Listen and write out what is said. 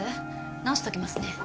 直しときますね